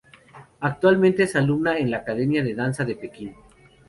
Actualmente es alumna en la Academia de Danza de Pekín.